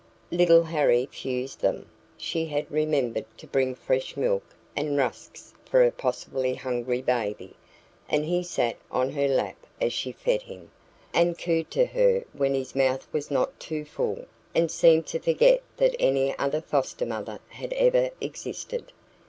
Little Harry fused them. She had remembered to bring fresh milk and rusks for a possibly hungry baby, and he sat on her lap as she fed him, and cooed to her when his mouth was not too full, and seemed to forget that any other foster mother had ever existed.